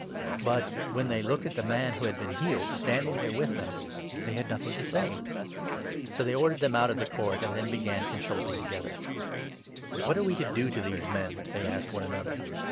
But, when they looked at the man who had been healed, 14 standing there with them, they had nothing to say. So they 15 ordered them out of court, and then began consulting together. 1 ' What are we to do to these men ?" they asked one another.